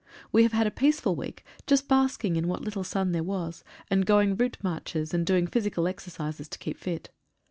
We have had a peaceful week, just basking in what little sun there was, and going route marches, and doing physical exercises to keep fit.